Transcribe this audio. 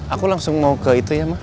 aku langsung mau ke itu ya mas